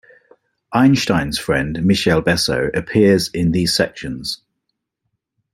Einstein's friend, Michele Besso, appears in these sections.